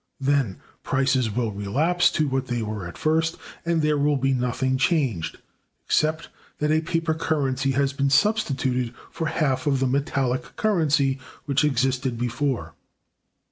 Then prices will relapse to what they were at first, and there will be nothing changed, except that a paper currency has been substituted for half of the metallic currency which existed before.